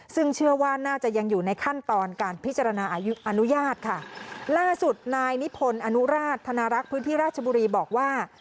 ซึ่งเชื่อว่าน่าจะยังอยู่ในขั้นตอนการพิจารณาอายุอนุญาตค่ะล่าสุดนายนิพนธ์อนุราชธนารักษ์พื้นที่ราชบุรีบอกว่า